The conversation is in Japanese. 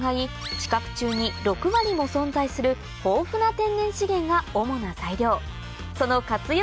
地殻中に６割も存在する豊富な天然資源が主な材料その活用